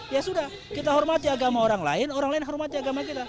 ya sudah kita hormati agama orang lain orang lain hormati agama kita